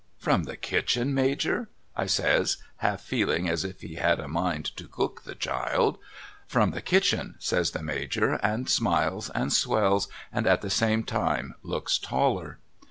'From the kitchen Major?' I says half feehng as if he had a mind to cook the child. ' From the kitchen ' says the INIajor, and smiles and swells, and at the same time looks taller.